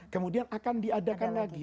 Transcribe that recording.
kemudian akan diadakan lagi